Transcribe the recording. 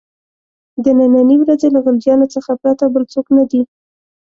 د نني ورځې له غلجیانو څخه پرته بل څوک نه دي.